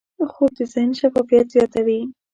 خوب د ذهن شفافیت زیاتوي